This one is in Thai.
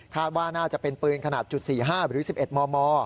ว่าน่าจะเป็นปืนขนาดจุด๔๕หรือ๑๑มม